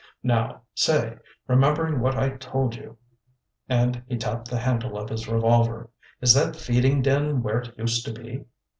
Now, say, remembering what I told you," and he tapped the handle of his revolver, "is that feeding den where it used to be?"